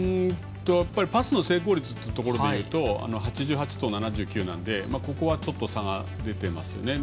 パスの成功率というところで言うと８８と７９なのでここは差が出てますよね。